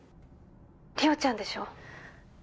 ☎莉桜ちゃんでしょ